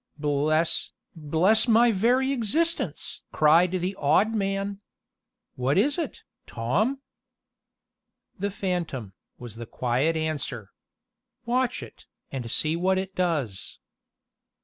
"Bless bless my very existence!" cried the odd man. "What is it, Tom?" "The phantom," was the quiet answer. "Watch it, and see what it does."